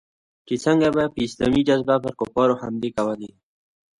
چې څنگه به يې په اسلامي جذبه پر کفارو حملې کولې.